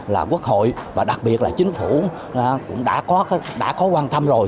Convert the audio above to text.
là quốc hội và đặc biệt là chính phủ cũng đã có quan tâm rồi